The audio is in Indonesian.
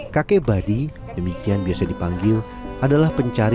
perc interval melalui alamat